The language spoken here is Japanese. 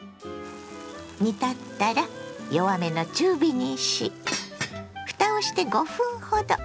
煮立ったら弱めの中火にしふたをして５分ほど。